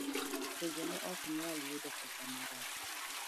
Pinjego ne ok nyal yudo pesa moromo